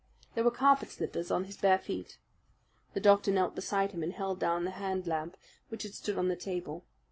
There were carpet slippers on his bare feet. The doctor knelt beside him and held down the hand lamp which had stood on the table.